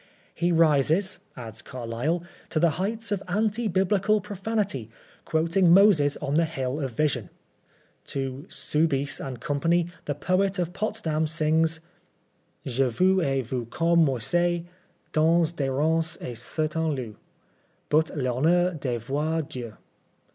"He rises," adds Carlyle, "to the heights of Anti Biblical profanity, quoting Moses on the Hill of Vision." To Soubise and Company the poet of Potsdam sings —" Je vous ai vu comme Moise Dans des ronces en certain lieu Eut rhonneur de voir Dieu."